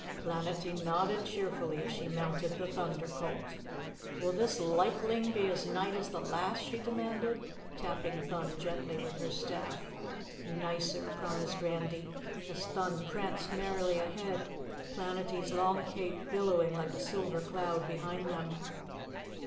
Planetty nodded cheerfully as she mounted the Thunder Colt. "Will this lightling be as nite as the last?" she demanded, tapping Thun gently with her staff. "Nicer," promised Randy as Thun pranced merrily ahead, Planetty's long cape billowing like a silver cloud behind them.